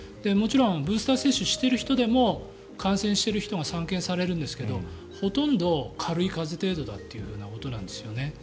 もちろんブースター接種してる人でも感染している人が散見されるんですけどほとんど軽い風邪程度だということなんです。